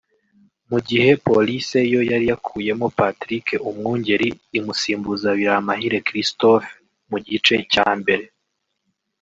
mu gihe Police yo yari yakuyemo Patrick Umwungeri imusimbuza Biramahire Christophe mu gice cya mbere